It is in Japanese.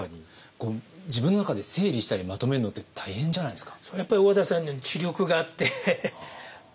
自分の中で整理したりまとめるのって大変じゃないですか？